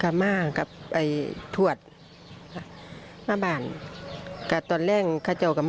ก็หาคนที่คุยแหล่งคุยกันงั้นได้แหล่ะใช่ไหม